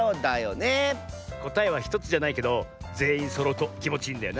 こたえは１つじゃないけどぜんいんそろうときもちいいんだよな。